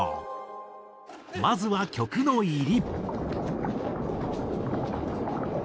まずは曲の入り。